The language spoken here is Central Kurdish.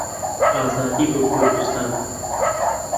ئازادی بۆ کوردستان!